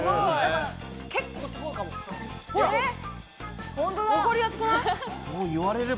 結構すごいかも。